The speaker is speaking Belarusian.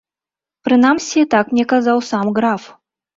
Прынамсі, так мне казаў сам граф.